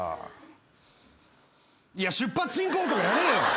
いや「出発進行！」とかやれよ。